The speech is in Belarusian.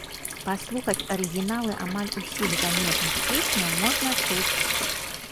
Паслухаць арыгіналы амаль усіх замежных песняў можна тут.